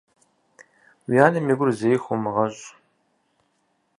Уи анэм и гур зэи хумыгъэщӏ.